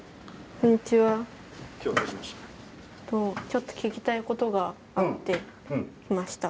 ちょっと聞きたいことがあって来ました。